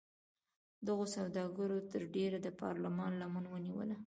دغو سوداګرو تر ډېره د پارلمان لمن ونیوله.